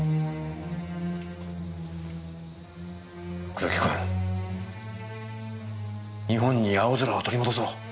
黒木君日本に青空を取り戻そう。